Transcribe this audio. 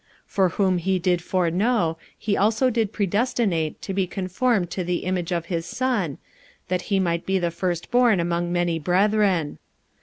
45:008:029 For whom he did foreknow, he also did predestinate to be conformed to the image of his Son, that he might be the firstborn among many brethren.